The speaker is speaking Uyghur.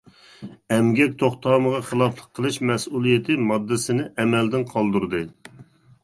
ئەمگەك توختامىغا خىلاپلىق قىلىش مەسئۇلىيىتى ماددىسىنى ئەمەلدىن قالدۇردى.